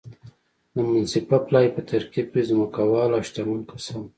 د منصفه پلاوي په ترکیب کې ځمکوال او شتمن کسان وو.